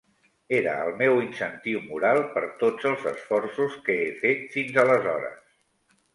Era el meu incentiu moral per tots els esforços que fets fins aleshores